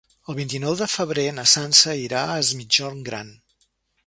El vint-i-nou de febrer na Sança irà a Es Migjorn Gran.